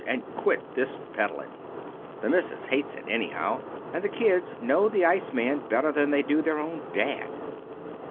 and quit this peddling. The missus hates it anyhow; and the kids know the iceman better than they do their own dad.